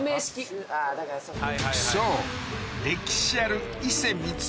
そう歴史ある井畝